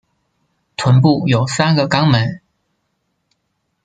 臀部有三个肛门。